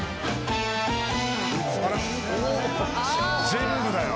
全部だよ。